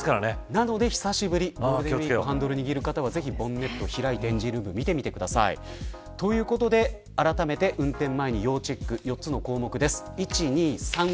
なので久しぶりにハンドルを握る方はぜひボンネットを開いてエンジンルームを見てください。ということであらためて運転前に要チェック４つの項目です。